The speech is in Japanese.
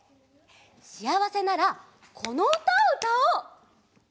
しあわせならこのうたをうたおう。